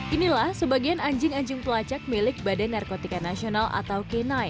inilah sebagian anjing anjing pelacak milik badan narkotika nasional atau k sembilan